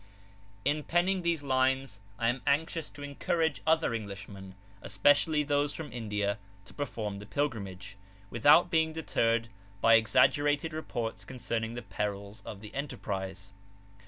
In penning these lines I am anxious to encourage other Englishmen, especially those from India, to perform the pilgrimage, without being deterred by exaggerated reports concerning the perils of the enterprise.